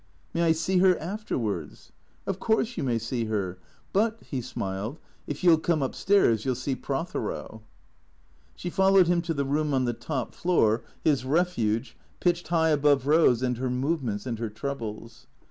" May I see her — afterwards ?"" Of course you may see her. But "— he smiled —" if you '11 come upstairs you '11 see Prothero." She followed him to the room on the top floor, his refuge, pitched high above Eose and her movements and her troubles.